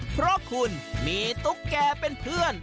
เพราะคุณมีตุ๊กแก่เป็นเพื่อน